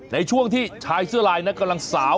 ในช่วงที่ชายเสื้อลายนั้นกำลังสาว